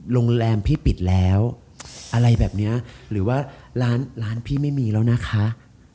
โรงแรมพี่ปิดแล้วอะไรแบบนี้หรือว่าร้านร้านพี่ไม่มีแล้วนะคะ